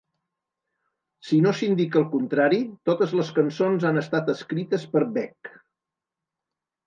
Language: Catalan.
Si no s'indica el contrari, totes les cançons han estat escrites per Beck.